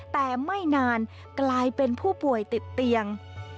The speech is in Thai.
แต่ไม่นานกลายเป็นผู้ป่วยติดเตียง